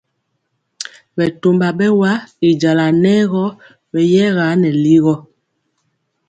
Bɛtɔmba bɛwa y jala nɛ gɔ beyɛga nɛ ligɔ.